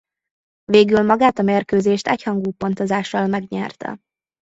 Végül magát a mérkőzést egyhangú pontozással megnyerte.